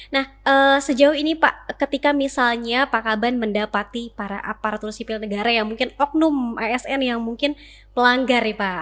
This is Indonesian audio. nah sejauh ini pak ketika misalnya pak kaban mendapati para aparatur sipil negara yang mungkin oknum asn yang mungkin pelanggar ya pak